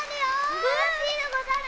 ・すばらしいでござる！